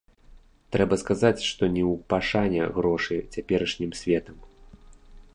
Трэба сказаць, што не ў пашане грошы цяперашнім светам.